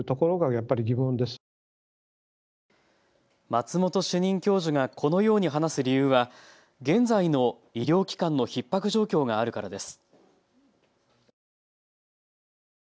松本主任教授がこのように話す理由は現在の医療機関のひっ迫状況があるからです。